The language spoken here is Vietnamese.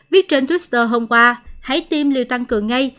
viết trên twitter hôm qua hãy tiêm liều tăng cường ngay